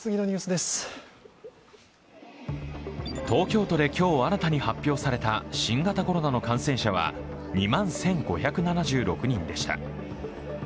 東京都で今日新たに発表された新型コロナの感染者は２万１５７６人でした。